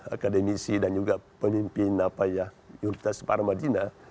akademisi dan juga penimpin yulitas parmajina